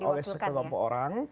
oleh sekelompok orang